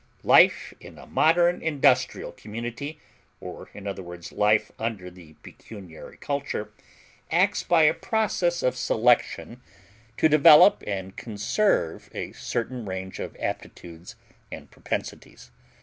Life in a modern industrial community, or in other words life under the pecuniary culture, acts by a process of selection to develop and conserve a certain range of aptitudes and propensities.